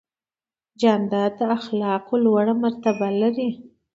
جانداد د اخلاقو لوړه مرتبه لري.